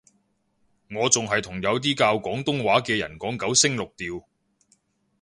我仲係同有啲教廣東話嘅人講九聲六調